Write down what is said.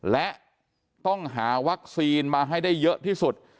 และต้องหาวัคซีนมาให้ได้เยอะที่สุด